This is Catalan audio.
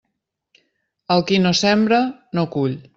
El qui no sembra, no cull.